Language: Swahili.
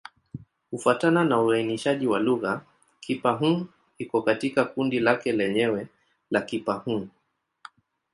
Kufuatana na uainishaji wa lugha, Kipa-Hng iko katika kundi lake lenyewe la Kipa-Hng.